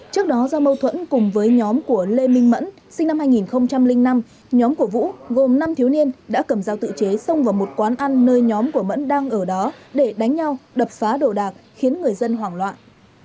trước đó do mâu thuẫn cùng với nhóm của lê minh mẫn sinh năm hai nghìn năm nhóm của vũ gồm năm thiếu niên đã cầm dao tự chế xông vào một quán ăn nơi nhóm của mẫn đang ở đó để đánh nhau đập phá đồ đạc khiến người dân hoảng loạn